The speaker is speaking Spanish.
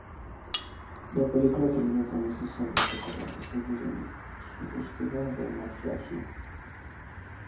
La película termina con los dos hombres acordando seguir en su búsqueda del naufragio.